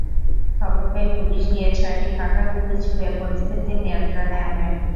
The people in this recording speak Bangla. খবর পেয়ে পুলিশ গিয়ে ছয়টি ফাঁকা গুলি ছুড়ে পরিস্থিতি নিয়ন্ত্রণে আনে।